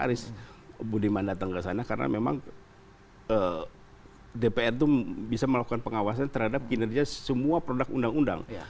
aris budiman datang ke sana karena memang dpr itu bisa melakukan pengawasan terhadap kinerja semua produk undang undang